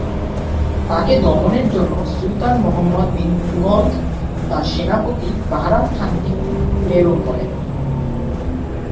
তাকে দমনের জন্য সুলতান মোহাম্মদ বিন তুঘলক তার সেনাপতি বাহরাম খানকে প্রেরণ করেন।